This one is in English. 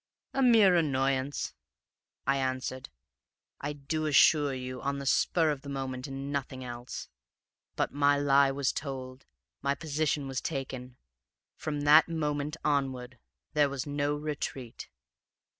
"'A mere annoyance,' I answered I do assure you on the spur of the moment and nothing else. But my lie was told; my position was taken; from that moment onward there was no retreat.